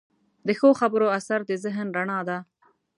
د ښو خبرو اثر د ذهن رڼا ده.